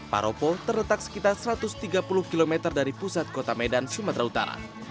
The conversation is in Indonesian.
paropo terletak sekitar satu ratus tiga puluh km dari pusat kota medan sumatera utara